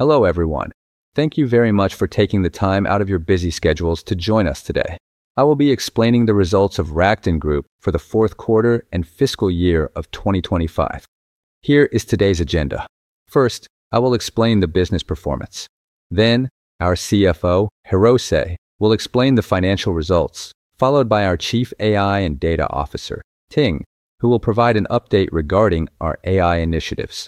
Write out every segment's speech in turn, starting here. Hello, everyone. Thank you very much for taking the time out of your busy schedules to join us today. I will be explaining the results of Rakuten Group for the fourth quarter and fiscal year of 2025. Here is today's agenda. First, I will explain the business performance. Then, our CFO, Hirose, will explain the financial results, followed by our Chief AI and Data Officer, Ting, who will provide an update regarding our AI initiatives.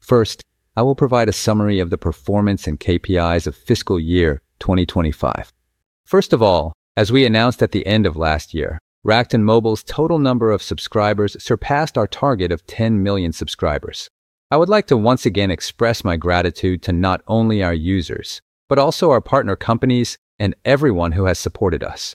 First, I will provide a summary of the performance and KPIs of fiscal year 2025. First of all, as we announced at the end of last year, Rakuten Mobile's total number of subscribers surpassed our target of 10 million subscribers. I would like to once again express my gratitude to not only our users, but also our partner companies and everyone who has supported us.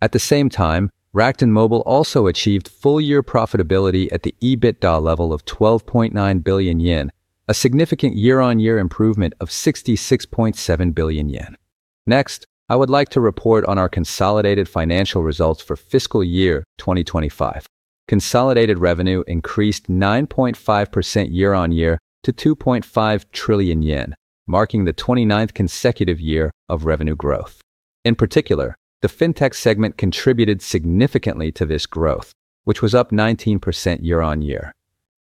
At the same time, Rakuten Mobile also achieved full-year profitability at the EBITDA level of 12.9 billion yen, a significant year-on-year improvement of 66.7 billion yen. Next, I would like to report on our consolidated financial results for fiscal year 2025. Consolidated revenue increased 9.5% year-on-year to 2.5 trillion yen, marking the 29th consecutive year of revenue growth. In particular, the FinTech segment contributed significantly to this growth, which was up 19% year-on-year.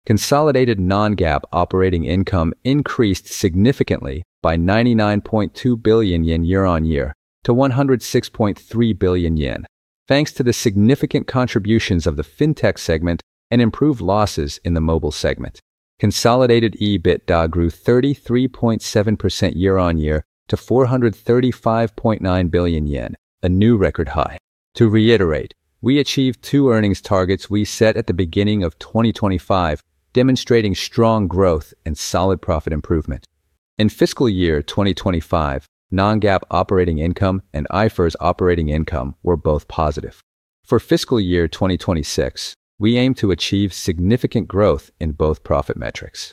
Consolidated non-GAAP operating income increased significantly by 99.2 billion yen year-on-year to 106.3 billion yen, thanks to the significant contributions of the FinTech segment and improved losses in the Mobile segment. Consolidated EBITDA grew 33.7% year-on-year to 435.9 billion yen, a new record high. To reiterate, we achieved two earnings targets we set at the beginning of 2025, demonstrating strong growth and solid profit improvement. In fiscal year 2025, non-GAAP operating income and IFRS operating income were both positive. For fiscal year 2026, we aim to achieve significant growth in both profit metrics.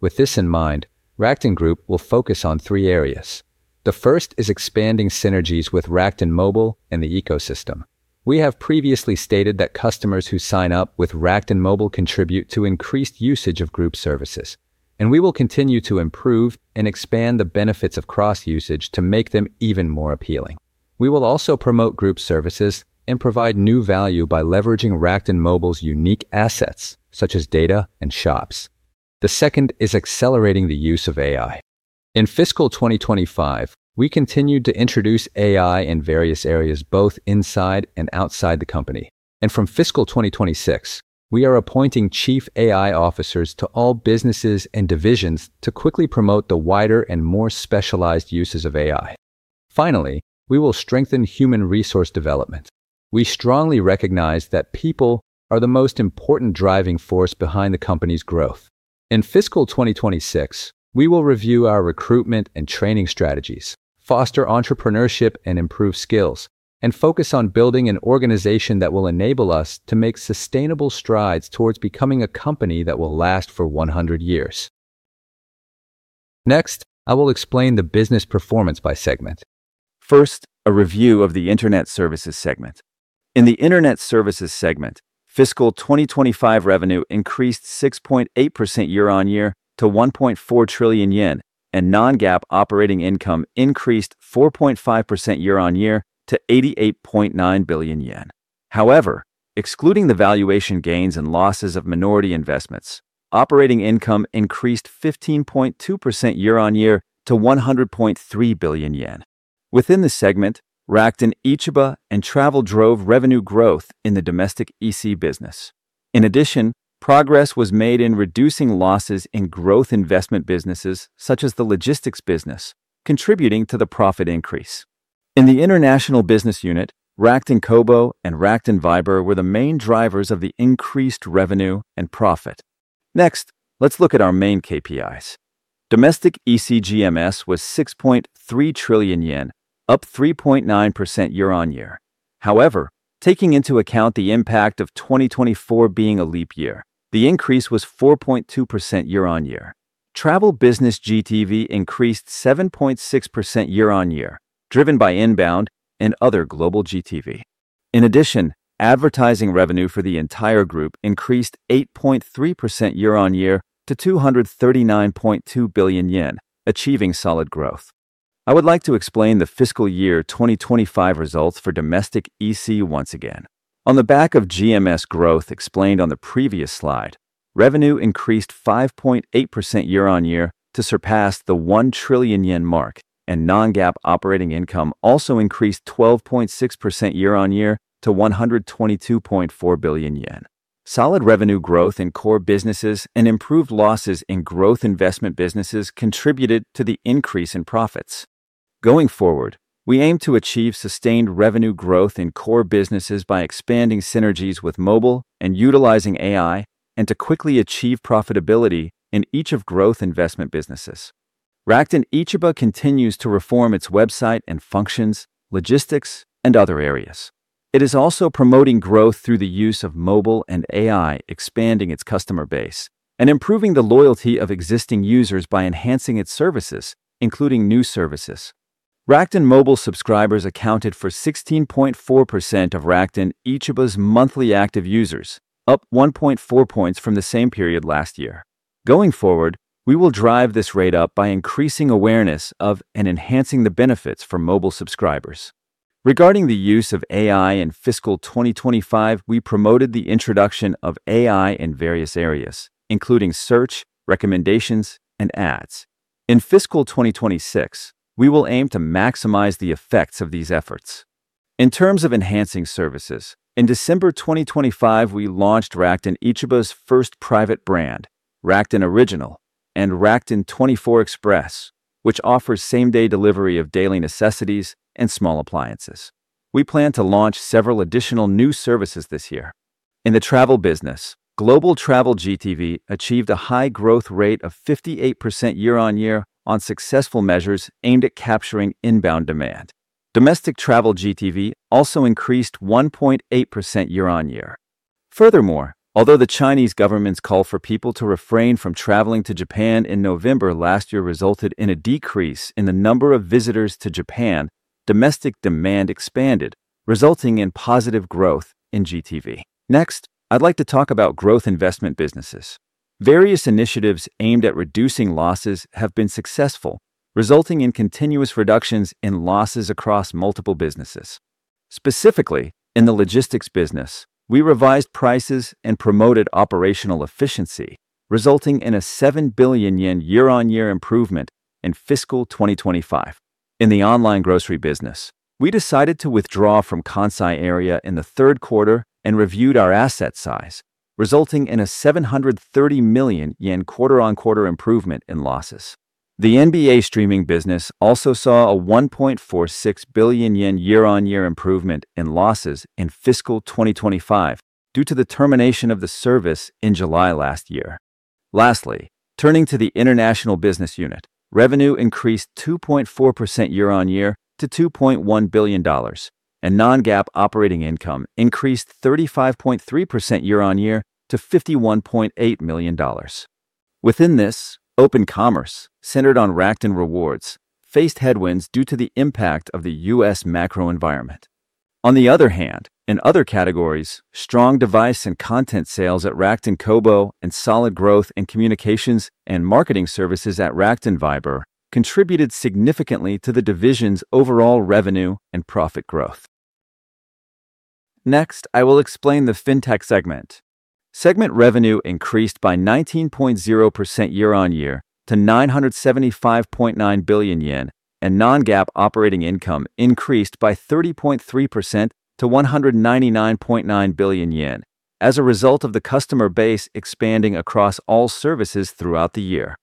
With this in mind, Rakuten Group will focus on three areas. The first is expanding synergies with Rakuten Mobile and the ecosystem. We have previously stated that customers who sign up with Rakuten Mobile contribute to increased usage of group services, and we will continue to improve and expand the benefits of cross-usage to make them even more appealing. We will also promote group services and provide new value by leveraging Rakuten Mobile's unique assets, such as data and shops. The second is accelerating the use of AI. In fiscal 2025, we continued to introduce AI in various areas, both inside and outside the company, and from fiscal 2026, we are appointing Chief AI officers to all businesses and divisions to quickly promote the wider and more specialized uses of AI. Finally, we will strengthen human resource development. We strongly recognize that people are the most important driving force behind the company's growth. In fiscal 2026, we will review our recruitment and training strategies, foster entrepreneurship and improve skills, and focus on building an organization that will enable us to make sustainable strides towards becoming a company that will last for 100 years. Next, I will explain the business performance by segment. First, a review of the Internet Services segment. In the Internet Services segment, fiscal 2025 revenue increased 6.8% year-on-year to 1.4 trillion yen, and non-GAAP operating income increased 4.5% year-on-year to 88.9 billion yen. However, excluding the valuation gains and losses of minority investments, operating income increased 15.2% year-on-year to 100.3 billion yen. Within the segment, Rakuten Ichiba and Travel drove revenue growth in the domestic EC business. In addition, progress was made in reducing losses in growth investment businesses, such as the logistics business, contributing to the profit increase. In the international business unit, Rakuten Kobo and Rakuten Viber were the main drivers of the increased revenue and profit. Next, let's look at our main KPIs. Domestic EC GMS was 6.3 trillion yen, up 3.9% year-on-year. However, taking into account the impact of 2024 being a leap year, the increase was 4.2% year-on-year. Travel business GTV increased 7.6% year-on-year, driven by inbound and other global GTV. In addition, advertising revenue for the entire group increased 8.3% year-on-year to 239.2 billion yen, achieving solid growth. I would like to explain the fiscal year 2025 results for domestic EC once again. On the back of GMS growth explained on the previous slide, revenue increased 5.8% year-on-year to surpass the 1 trillion yen mark, and non-GAAP operating income also increased 12.6% year-on-year to 122.4 billion yen. Solid revenue growth in core businesses and improved losses in growth investment businesses contributed to the increase in profits. Going forward, we aim to achieve sustained revenue growth in core businesses by expanding synergies with Mobile and utilizing AI, and to quickly achieve profitability in each of growth investment businesses. Rakuten Ichiba continues to reform its website and functions, logistics, and other areas. It is also promoting growth through the use of mobile and AI, expanding its customer base, and improving the loyalty of existing users by enhancing its services, including new services. Rakuten Mobile subscribers accounted for 16.4% of Rakuten Ichiba's monthly active users, up 1.4 percentage points from the same period last year. Going forward, we will drive this rate up by increasing awareness of and enhancing the benefits for mobile subscribers. Regarding the use of AI in fiscal 2025, we promoted the introduction of AI in various areas, including search, recommendations, and ads. In fiscal 2026, we will aim to maximize the effects of these efforts. In terms of enhancing services, in December 2025, we launched Rakuten Ichiba's first private brand, Rakuten Original, and Rakuten 24 Express, which offers same-day delivery of daily necessities and small appliances. We plan to launch several additional new services this year. In the travel business, global travel GTV achieved a high growth rate of 58% year-on-year on successful measures aimed at capturing inbound demand. Domestic travel GTV also increased 1.8% year-on-year. Furthermore, although the Chinese government's call for people to refrain from traveling to Japan in November last year resulted in a decrease in the number of visitors to Japan, domestic demand expanded, resulting in positive growth in GTV. Next, I'd like to talk about growth investment businesses. Various initiatives aimed at reducing losses have been successful, resulting in continuous reductions in losses across multiple businesses. Specifically, in the logistics business, we revised prices and promoted operational efficiency, resulting in a 7 billion yen year-on-year improvement in fiscal 2025. In the online grocery business, we decided to withdraw from Kansai area in the third quarter and reviewed our asset size, resulting in a 730 million yen quarter-on-quarter improvement in losses. The NBA streaming business also saw a 1.46 billion yen year-on-year improvement in losses in fiscal 2025 due to the termination of the service in July last year. Lastly, turning to the international business unit, revenue increased 2.4% year-on-year to $2.1 billion, and non-GAAP operating income increased 35.3% year-on-year to $51.8 million. Within this, open commerce, centered on Rakuten Rewards, faced headwinds due to the impact of the US macro environment. On the other hand, in other categories, strong device and content sales at Rakuten Kobo and solid growth in communications and marketing services at Rakuten Viber contributed significantly to the division's overall revenue and profit growth. Next, I will explain the FinTech segment. Segment revenue increased by 19.0% year-over-year to 975.9 billion yen, and non-GAAP operating income increased by 30.3% to 199.9 billion yen as a result of the customer base expanding across all services throughout the year.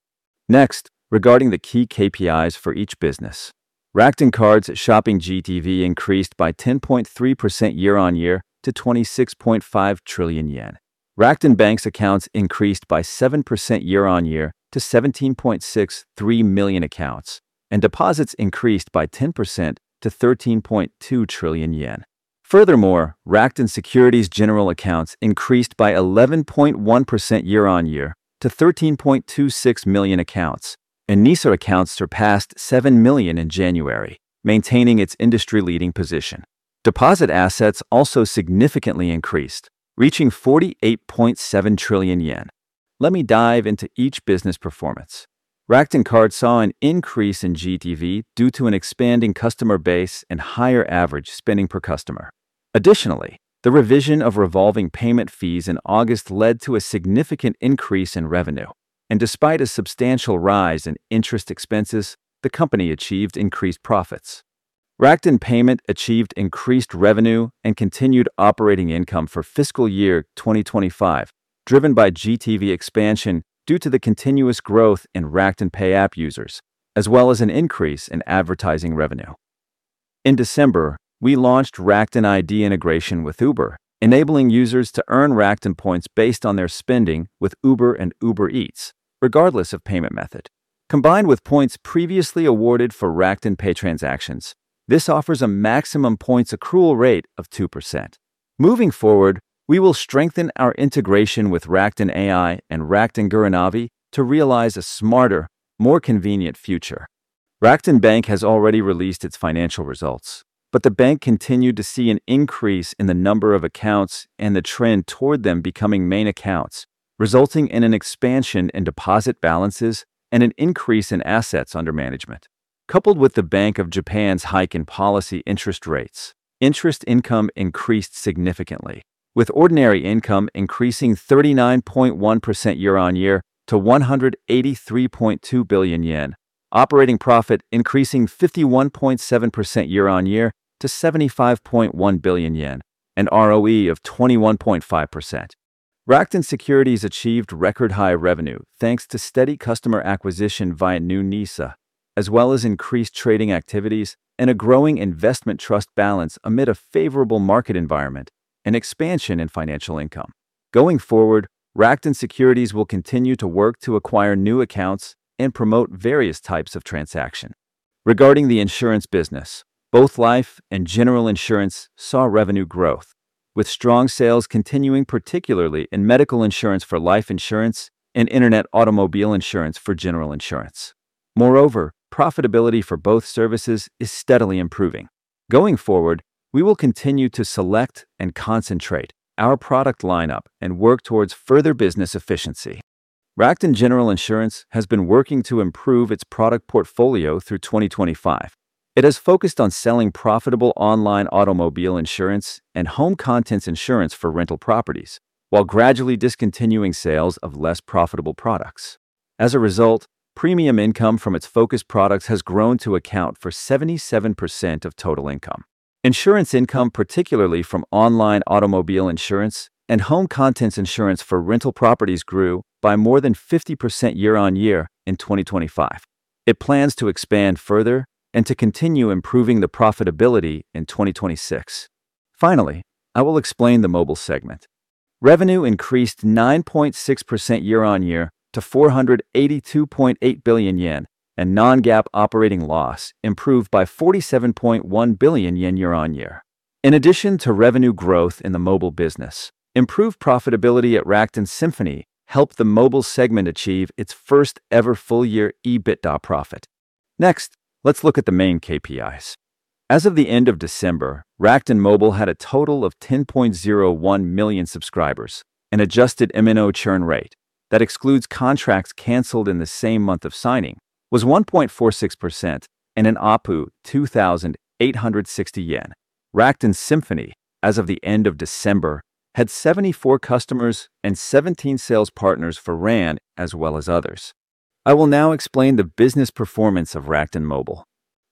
Next, regarding the key KPIs for each business, Rakuten Card's shopping GTV increased by 10.3% year-over-year to 26.5 trillion yen. Rakuten Bank's accounts increased by 7% year-on-year to 17.63 million accounts, and deposits increased by 10% to 13.2 trillion yen. Furthermore, Rakuten Securities general accounts increased by 11.1% year-on-year to 13.26 million accounts, and NISA accounts surpassed 7 million in January, maintaining its industry-leading position. Deposit assets also significantly increased, reaching 48.7 trillion yen. Let me dive into each business performance. Rakuten Card saw an increase in GTV due to an expanding customer base and higher average spending per customer. Additionally, the revision of revolving payment fees in August led to a significant increase in revenue, and despite a substantial rise in interest expenses, the company achieved increased profits. Rakuten Payment achieved increased revenue and continued operating income for fiscal year 2025, driven by GTV expansion due to the continuous growth in Rakuten Pay app users, as well as an increase in advertising revenue. In December, we launched Rakuten ID integration with Uber, enabling users to earn Rakuten Points based on their spending with Uber and Uber Eats, regardless of payment method. Combined with points previously awarded for Rakuten Pay transactions, this offers a maximum points accrual rate of 2%. Moving forward, we will strengthen our integration with Rakuten AI and Rakuten Gurunavi to realize a smarter, more convenient future. Rakuten Bank has already released its financial results, but the bank continued to see an increase in the number of accounts and the trend toward them becoming main accounts, resulting in an expansion in deposit balances and an increase in assets under management. Coupled with the Bank of Japan's hike in policy interest rates, interest income increased significantly, with ordinary income increasing 39.1% year-on-year to 183.2 billion yen, operating profit increasing 51.7% year-on-year to 75.1 billion yen, and ROE of 21.5%. Rakuten Securities achieved record-high revenue, thanks to steady customer acquisition via New NISA, as well as increased trading activities and a growing investment trust balance amid a favorable market environment and expansion in financial income. Going forward, Rakuten Securities will continue to work to acquire new accounts and promote various types of transaction. Regarding the insurance business, both life and general insurance saw revenue growth. With strong sales continuing, particularly in medical insurance for life insurance and internet automobile insurance for general insurance. Moreover, profitability for both services is steadily improving. Going forward, we will continue to select and concentrate our product lineup and work towards further business efficiency. Rakuten General Insurance has been working to improve its product portfolio through 2025. It has focused on selling profitable online automobile insurance and home contents insurance for rental properties, while gradually discontinuing sales of less profitable products. As a result, premium income from its focused products has grown to account for 77% of total income. Insurance income, particularly from online automobile insurance and home contents insurance for rental properties, grew by more than 50% year-on-year in 2025. It plans to expand further and to continue improving the profitability in 2026. Finally, I will explain the Mobile segment. Revenue increased 9.6% year-on-year to 482.8 billion yen, and non-GAAP operating loss improved by 47.1 billion yen year-on-year. In addition to revenue growth in the mobile business, improved profitability at Rakuten Symphony helped the Mobile segment achieve its first-ever full-year EBITDA profit. Next, let's look at the main KPIs. As of the end of December, Rakuten Mobile had a total of 10.01 million subscribers. An adjusted MNO churn rate that excludes contracts canceled in the same month of signing was 1.46% and an ARPU, 2,860 yen. Rakuten Symphony, as of the end of December, had 74 customers and 17 sales partners for RAN, as well as others. I will now explain the business performance of Rakuten Mobile.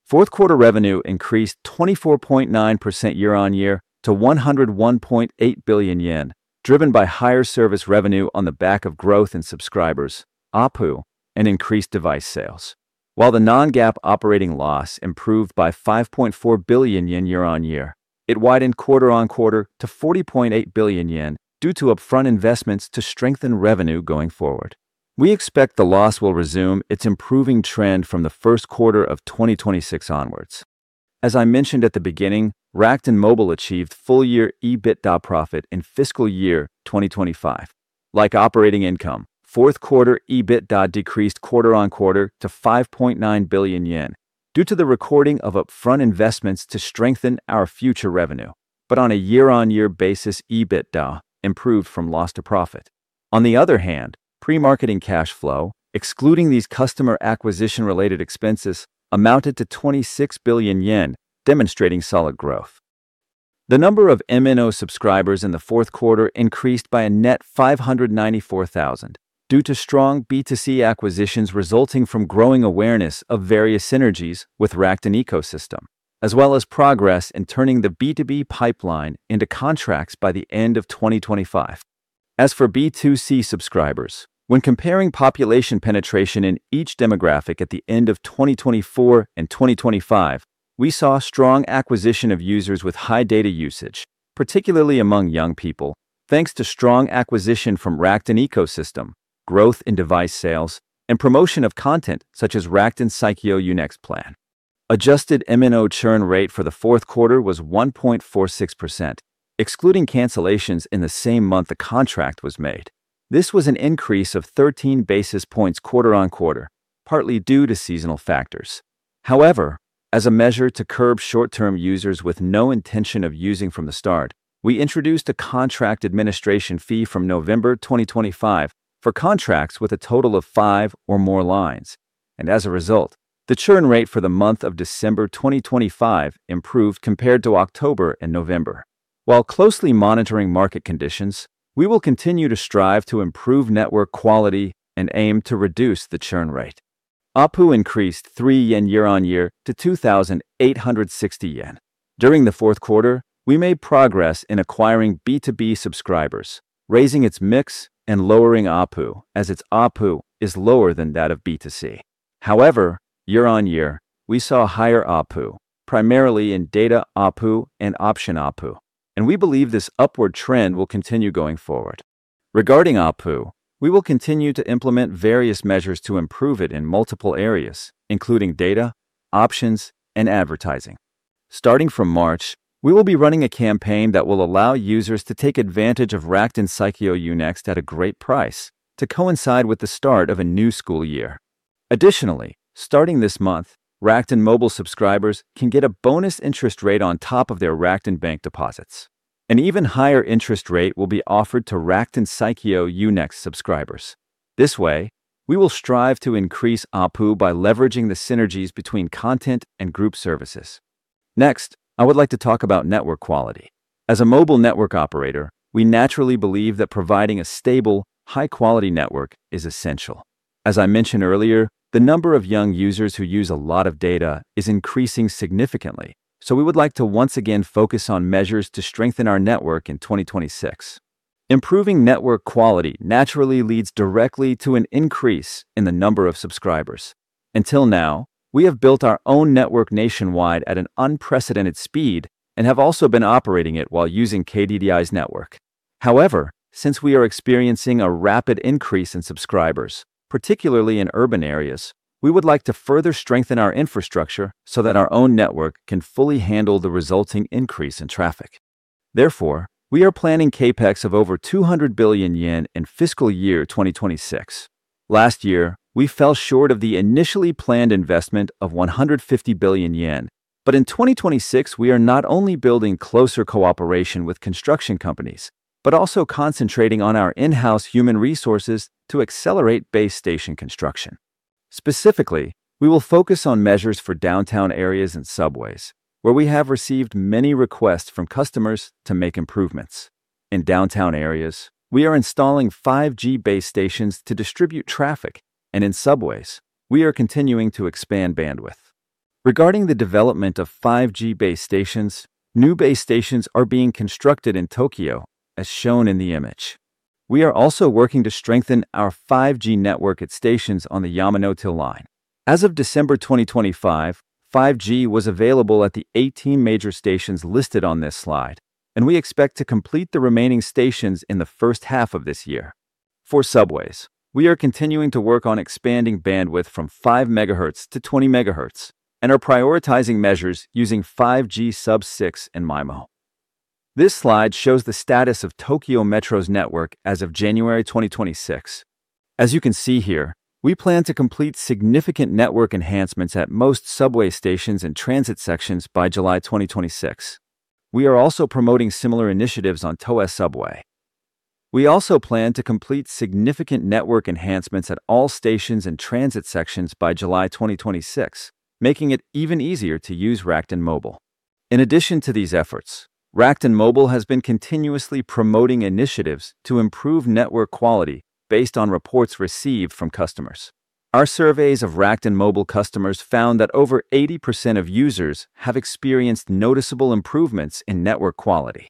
Fourth quarter revenue increased 24.9% year-on-year to 101.8 billion yen, driven by higher service revenue on the back of growth in subscribers, ARPU, and increased device sales. While the non-GAAP operating loss improved by 5.4 billion yen year-on-year, it widened quarter-on-quarter to 40.8 billion yen due to upfront investments to strengthen revenue going forward. We expect the loss will resume its improving trend from the first quarter of 2026 onwards. As I mentioned at the beginning, Rakuten Mobile achieved full-year EBITDA profit in fiscal year 2025. Like operating income, fourth quarter EBITDA decreased quarter-on-quarter to 5.9 billion yen due to the recording of upfront investments to strengthen our future revenue. But on a year-on-year basis, EBITDA improved from loss to profit. On the other hand, pre-marketing cash flow, excluding these customer acquisition-related expenses, amounted to 26 billion yen, demonstrating solid growth. The number of MNO subscribers in the fourth quarter increased by a net 594,000 due to strong B2C acquisitions, resulting from growing awareness of various synergies with Rakuten Ecosystem, as well as progress in turning the B2B pipeline into contracts by the end of 2025. As for B2C subscribers, when comparing population penetration in each demographic at the end of 2024 and 2025, we saw strong acquisition of users with high data usage, particularly among young people, thanks to strong acquisition from Rakuten Ecosystem, growth in device sales, and promotion of content such as Rakuten Saikyo U-NEXT Plan. Adjusted MNO churn rate for the fourth quarter was 1.46%, excluding cancellations in the same month the contract was made. This was an increase of 13 basis points quarter-on-quarter, partly due to seasonal factors. However, as a measure to curb short-term users with no intention of using from the start, we introduced a contract administration fee from November 2025 for contracts with a total of 5 or more lines. As a result, the churn rate for the month of December 2025 improved compared to October and November. While closely monitoring market conditions, we will continue to strive to improve network quality and aim to reduce the churn rate. ARPU increased 3 yen year-on-year to 2,860 yen. During the fourth quarter, we made progress in acquiring B2B subscribers, raising its mix and lowering ARPU, as its ARPU is lower than that of B2C. However, year-on-year, we saw higher ARPU, primarily in data ARPU and option ARPU, and we believe this upward trend will continue going forward. Regarding ARPU, we will continue to implement various measures to improve it in multiple areas, including data, options, and advertising. Starting from March, we will be running a campaign that will allow users to take advantage of Rakuten Saikyo U-NEXT at a great price to coincide with the start of a new school year. Additionally, starting this month, Rakuten Mobile subscribers can get a bonus interest rate on top of their Rakuten Bank deposits. An even higher interest rate will be offered to Rakuten Saikyo U-NEXT subscribers. This way, we will strive to increase ARPU by leveraging the synergies between content and group services. Next, I would like to talk about network quality. As a mobile network operator, we naturally believe that providing a stable, high-quality network is essential. As I mentioned earlier, the number of young users who use a lot of data is increasing significantly, so we would like to once again focus on measures to strengthen our network in 2026. Improving network quality naturally leads directly to an increase in the number of subscribers. Until now, we have built our own network nationwide at an unprecedented speed and have also been operating it while using KDDI's network. However, since we are experiencing a rapid increase in subscribers, particularly in urban areas, we would like to further strengthen our infrastructure so that our own network can fully handle the resulting increase in traffic. Therefore, we are planning CapEx of over 200 billion yen in fiscal year 2026. Last year, we fell short of the initially planned investment of 150 billion yen. But in 2026, we are not only building closer cooperation with construction companies, but also concentrating on our in-house human resources to accelerate base station construction. Specifically, we will focus on measures for downtown areas and subways, where we have received many requests from customers to make improvements. In downtown areas, we are installing 5G base stations to distribute traffic, and in subways, we are continuing to expand bandwidth. Regarding the development of 5G base stations, new base stations are being constructed in Tokyo, as shown in the image. We are also working to strengthen our 5G network at stations on the Yamanote Line. As of December 2025, 5G was available at the 18 major stations listed on this slide, and we expect to complete the remaining stations in the first half of this year. For subways, we are continuing to work on expanding bandwidth from 5 MHz to 20 MHz and are prioritizing measures using 5G Sub-6 and MIMO. This slide shows the status of Tokyo Metro's network as of January 2026. As you can see here, we plan to complete significant network enhancements at most subway stations and transit sections by July 2026. We are also promoting similar initiatives on Toei Subway. We also plan to complete significant network enhancements at all stations and transit sections by July 2026, making it even easier to use Rakuten Mobile. In addition to these efforts, Rakuten Mobile has been continuously promoting initiatives to improve network quality based on reports received from customers. Our surveys of Rakuten Mobile customers found that over 80% of users have experienced noticeable improvements in network quality.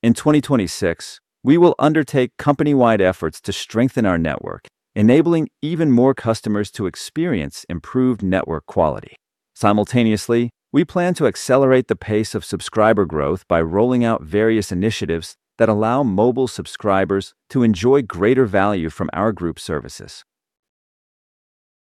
In 2026, we will undertake company-wide efforts to strengthen our network, enabling even more customers to experience improved network quality. Simultaneously, we plan to accelerate the pace of subscriber growth by rolling out various initiatives that allow mobile subscribers to enjoy greater value from our group services.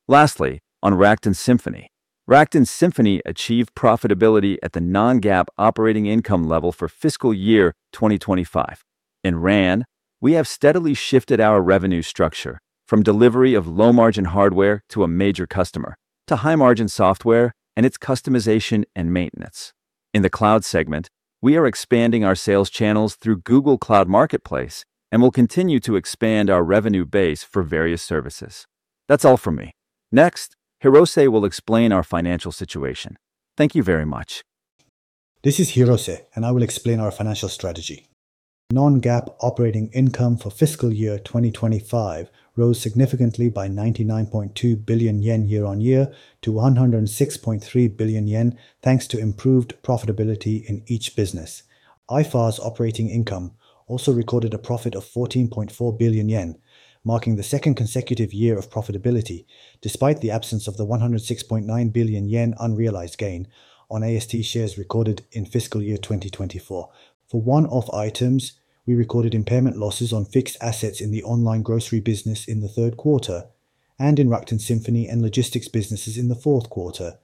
Lastly, on Rakuten Symphony. Rakuten Symphony achieved profitability at the non-GAAP operating income level for fiscal year 2025. In RAN, we have steadily shifted our revenue structure from delivery of low-margin hardware to a major customer to high-margin software and its customization and maintenance. In the cloud segment, we are expanding our sales channels through Google Cloud Marketplace and will continue to expand our revenue base for various services. That's all from me. Next, Hirose will explain our financial situation. Thank you very much. This is Hirose, and I will explain our financial strategy. Non-GAAP operating income for fiscal year 2025 rose significantly by 99.2 billion yen year-on-year to 106.3 billion yen, thanks to improved profitability in each business. IFRS operating income also recorded a profit of 14.4 billion yen, marking the second consecutive year of profitability despite the absence of the 106.9 billion yen unrealized gain on AST shares recorded in fiscal year 2024. For one-off items, we recorded impairment losses on fixed assets in the online grocery business in the third quarter and in Rakuten Symphony and logistics businesses in the fourth quarter.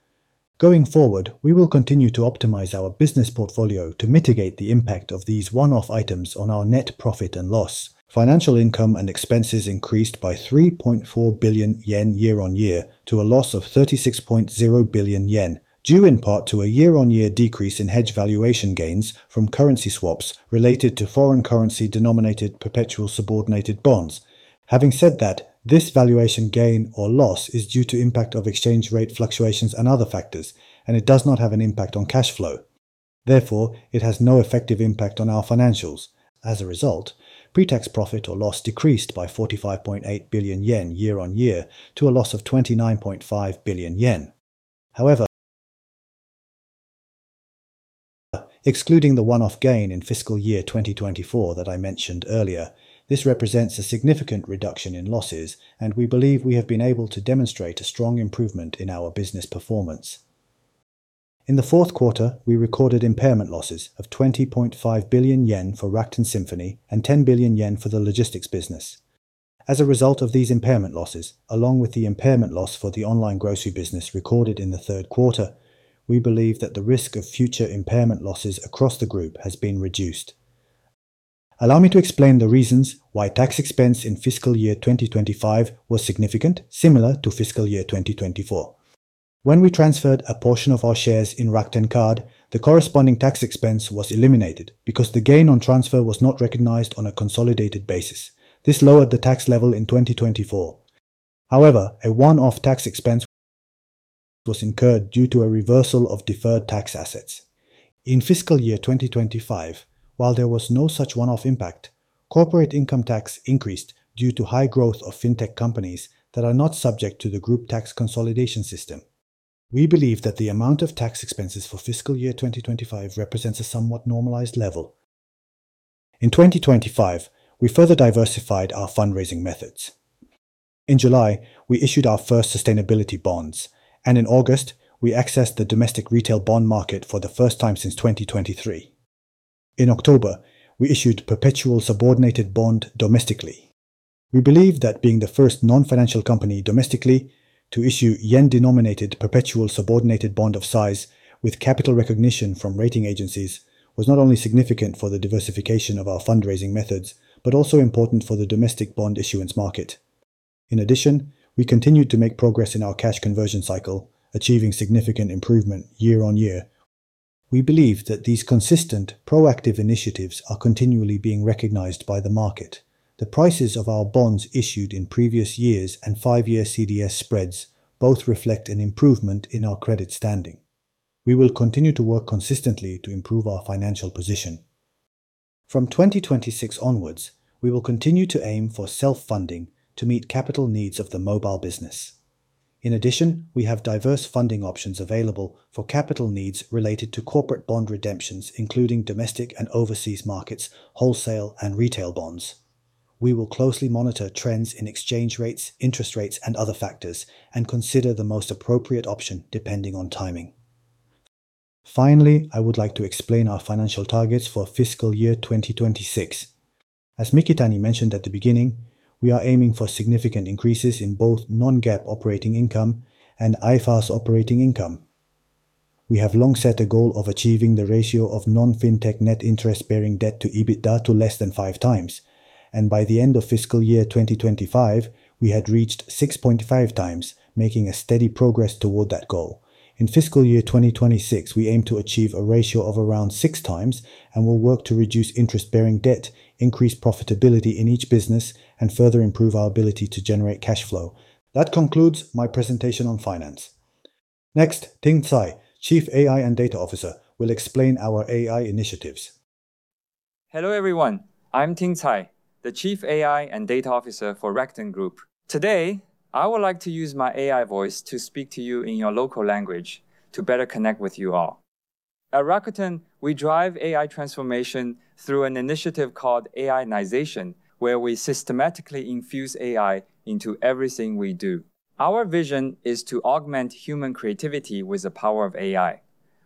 Going forward, we will continue to optimize our business portfolio to mitigate the impact of these one-off items on our net profit and loss. Financial income and expenses increased by 3.4 billion yen year-on-year to a loss of 36.0 billion yen, due in part to a year-on-year decrease in hedge valuation gains from currency swaps related to foreign currency-denominated perpetual subordinated bonds. Having said that, this valuation gain or loss is due to impact of exchange rate fluctuations and other factors, and it does not have an impact on cash flow. Therefore, it has no effective impact on our financials. As a result, pre-tax profit or loss decreased by 45.8 billion yen year-on-year to a loss of 29.5 billion yen. However, excluding the one-off gain in fiscal year 2024 that I mentioned earlier, this represents a significant reduction in losses, and we believe we have been able to demonstrate a strong improvement in our business performance. In the fourth quarter, we recorded impairment losses of 20.5 billion yen for Rakuten Symphony and 10 billion yen for the logistics business. As a result of these impairment losses, along with the impairment loss for the online grocery business recorded in the third quarter, we believe that the risk of future impairment losses across the group has been reduced. Allow me to explain the reasons why tax expense in fiscal year 2025 was significant, similar to fiscal year 2024. When we transferred a portion of our shares in Rakuten Card, the corresponding tax expense was eliminated because the gain on transfer was not recognized on a consolidated basis. This lowered the tax level in 2024. However, a one-off tax expense was incurred due to a reversal of deferred tax assets. In fiscal year 2025, while there was no such one-off impact, corporate income tax increased due to high growth of FinTech companies that are not subject to the group tax consolidation system. We believe that the amount of tax expenses for fiscal year 2025 represents a somewhat normalized level. In 2025, we further diversified our fundraising methods. In July, we issued our first sustainability bonds, and in August, we accessed the domestic retail bond market for the first time since 2023. In October, we issued perpetual subordinated bond domestically. We believe that being the first non-financial company domestically to issue yen-denominated perpetual subordinated bond of size with capital recognition from rating agencies was not only significant for the diversification of our fundraising methods, but also important for the domestic bond issuance market. In addition, we continued to make progress in our cash conversion cycle, achieving significant improvement year-on-year. We believe that these consistent, proactive initiatives are continually being recognized by the market. The prices of our bonds issued in previous years and five-year CDS spreads both reflect an improvement in our credit standing. We will continue to work consistently to improve our financial position. From 2026 onwards, we will continue to aim for self-funding to meet capital needs of the mobile business. In addition, we have diverse funding options available for capital needs related to corporate bond redemptions, including domestic and overseas markets, wholesale and retail bonds. We will closely monitor trends in exchange rates, interest rates, and other factors, and consider the most appropriate option depending on timing. Finally, I would like to explain our financial targets for fiscal year 2026. As Mikitani mentioned at the beginning, we are aiming for significant increases in both non-GAAP operating income and IFRS operating income. We have long set a goal of achieving the ratio of non-FinTech net interest-bearing debt to EBITDA to less than 5 times, and by the end of fiscal year 2025, we had reached 6.5 times, making a steady progress toward that goal. In fiscal year 2026, we aim to achieve a ratio of around 6 times and will work to reduce interest-bearing debt, increase profitability in each business, and further improve our ability to generate cash flow. That concludes my presentation on finance. Next, Ting Cai, Chief AI and Data Officer, will explain our AI initiatives. Hello, everyone. I'm Ting Cai, the Chief AI and Data Officer for Rakuten Group. Today, I would like to use my AI voice to speak to you in your local language to better connect with you all. At Rakuten, we drive AI transformation through an initiative called AI-nization, where we systematically infuse AI into everything we do. Our vision is to augment human creativity with the power of AI.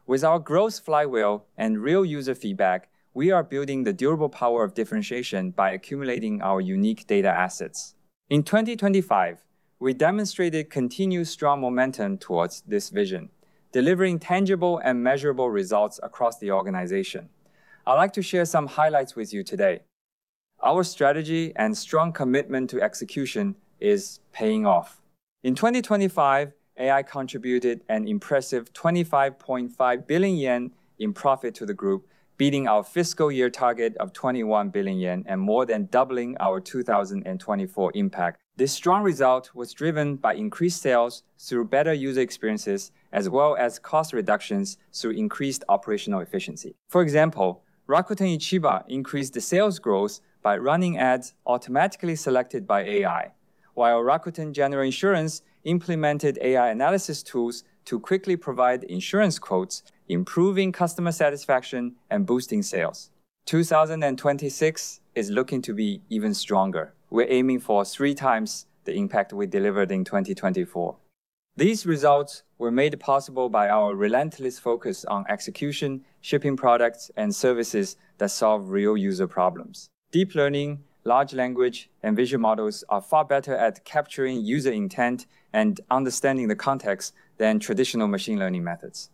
With our growth flywheel and real user feedback, we are building the durable power of differentiation by accumulating our unique data assets. In 2025, we demonstrated continued strong momentum towards this vision, delivering tangible and measurable results across the organization. I'd like to share some highlights with you today. Our strategy and strong commitment to execution is paying off. In 2025, AI contributed an impressive 25.5 billion yen in profit to the group, beating our fiscal year target of 21 billion yen and more than doubling our 2024 impact. This strong result was driven by increased sales through better user experiences, as well as cost reductions through increased operational efficiency. For example, Rakuten Ichiba increased the sales growth by running ads automatically selected by AI, while Rakuten General Insurance implemented AI analysis tools to quickly provide insurance quotes, improving customer satisfaction and boosting sales. 2026 is looking to be even stronger. We're aiming for 3 times the impact we delivered in 2024. These results were made possible by our relentless focus on execution, shipping products, and services that solve real user problems. Deep learning, large language, and visual models are far better at capturing user intent and understanding the context than traditional machine learning methods.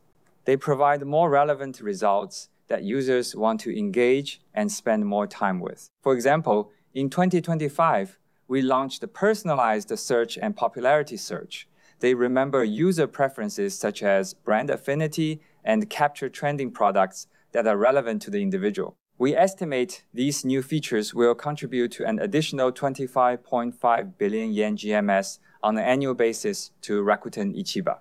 They provide more relevant results that users want to engage and spend more time with. For example, in 2025, we launched the personalized search and popularity search. They remember user preferences such as brand affinity and capture trending products that are relevant to the individual. We estimate these new features will contribute to an additional 25.5 billion yen GMS on an annual basis to Rakuten Ichiba.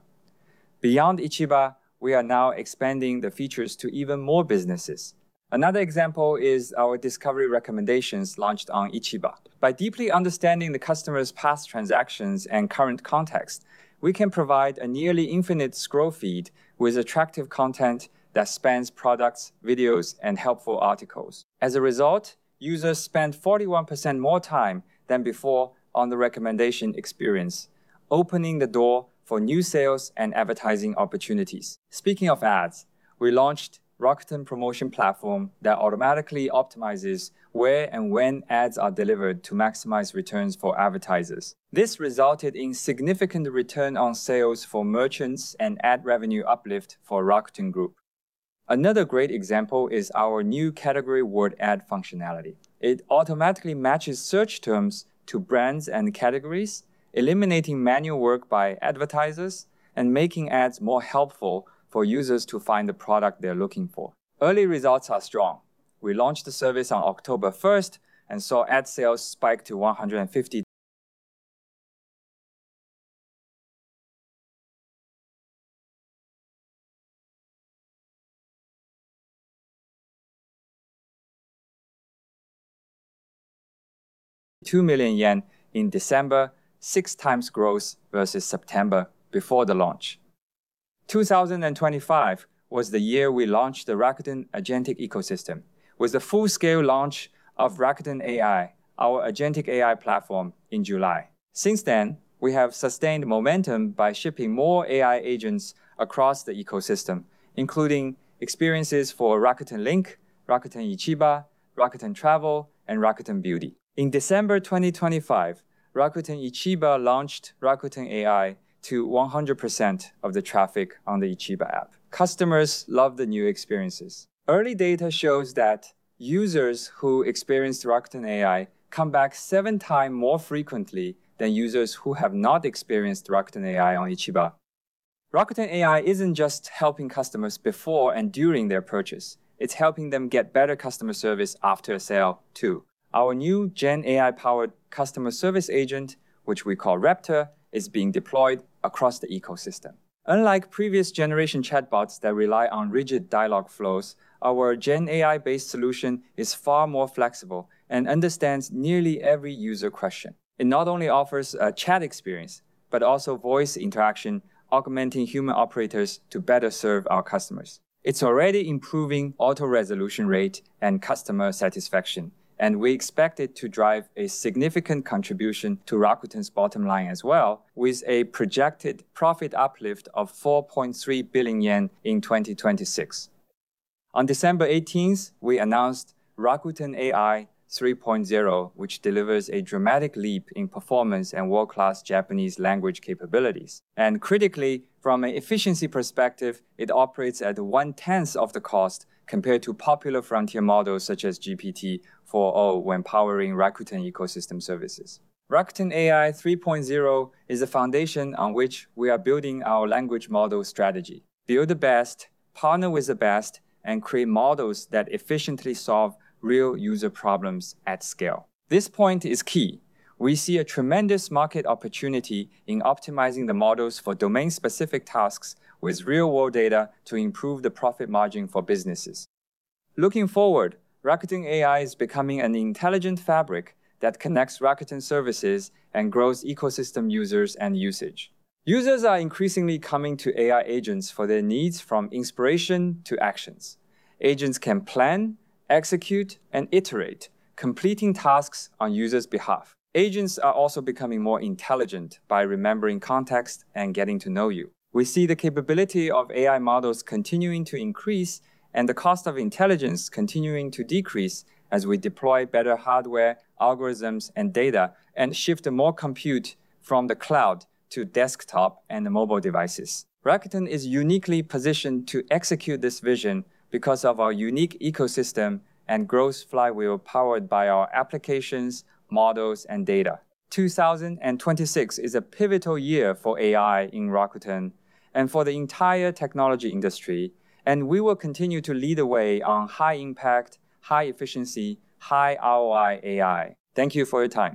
Beyond Ichiba, we are now expanding the features to even more businesses. Another example is our discovery recommendations launched on Ichiba. By deeply understanding the customer's past transactions and current context, we can provide a nearly infinite scroll feed with attractive content that spans products, videos, and helpful articles. As a result, users spend 41% more time than before on the recommendation experience, opening the door for new sales and advertising opportunities. Speaking of ads, we launched Rakuten Promotion Platform that automatically optimizes where and when ads are delivered to maximize returns for advertisers. This resulted in significant return on sales for merchants and ad revenue uplift for Rakuten Group. Another great example is our new category word ad functionality. It automatically matches search terms to brands and categories, eliminating manual work by advertisers and making ads more helpful for users to find the product they're looking for. Early results are strong. We launched the service on October 1st and saw ad sales spike to 152 million in December, 6 times growth versus September before the launch.... 2025 was the year we launched the Rakuten Agentic Ecosystem, with the full-scale launch of Rakuten AI, our agentic AI platform, in July. Since then, we have sustained momentum by shipping more AI agents across the ecosystem, including experiences for Rakuten Link, Rakuten Ichiba, Rakuten Travel, and Rakuten Beauty. In December 2025, Rakuten Ichiba launched Rakuten AI to 100% of the traffic on the Ichiba app. Customers love the new experiences. Early data shows that users who experienced Rakuten AI come back seven times more frequently than users who have not experienced Rakuten AI on Ichiba. Rakuten AI isn't just helping customers before and during their purchase, it's helping them get better customer service after a sale, too. Our new Gen AI-powered customer service agent, which we call Raptor, is being deployed across the ecosystem. Unlike previous generation chatbots that rely on rigid dialogue flows, our Gen AI-based solution is far more flexible and understands nearly every user question. It not only offers a chat experience, but also voice interaction, augmenting human operators to better serve our customers. It's already improving auto resolution rate and customer satisfaction, and we expect it to drive a significant contribution to Rakuten's bottom line as well, with a projected profit uplift of 4.3 billion yen in 2026. On December 18th, we announced Rakuten AI 3.0, which delivers a dramatic leap in performance and world-class Japanese language capabilities. Critically, from an efficiency perspective, it operates at one-tenth of the cost compared to popular frontier models such as GPT-4o when powering Rakuten ecosystem services. Rakuten AI 3.0 is a foundation on which we are building our language model strategy. Build the best, partner with the best, and create models that efficiently solve real user problems at scale. This point is key. We see a tremendous market opportunity in optimizing the models for domain-specific tasks with real-world data to improve the profit margin for businesses. Looking forward, Rakuten AI is becoming an intelligent fabric that connects Rakuten services and grows ecosystem users and usage. Users are increasingly coming to AI agents for their needs, from inspiration to actions. Agents can plan, execute, and iterate, completing tasks on user's behalf. Agents are also becoming more intelligent by remembering context and getting to know you. We see the capability of AI models continuing to increase and the cost of intelligence continuing to decrease as we deploy better hardware, algorithms, and data, and shift more compute from the cloud to desktop and the mobile devices. Rakuten is uniquely positioned to execute this vision because of our unique ecosystem and growth flywheel, powered by our applications, models, and data. 2026 is a pivotal year for AI in Rakuten and for the entire technology industry, and we will continue to lead the way on high impact, high efficiency, high ROI AI. Thank you for your time.